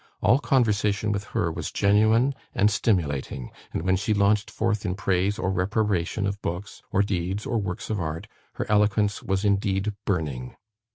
All conversation with her was genuine and stimulating; and when she launched forth in praise or reprobation of books, or deeds, or works of art, her eloquence was indeed burning.